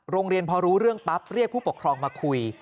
โรงเรียนพอรู้เรื่องปั๊บเรียกผู้ปกครองมาคุย